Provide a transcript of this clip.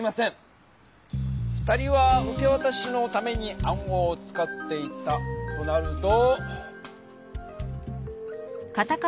２人は受けわたしのために暗号を使っていたとなると。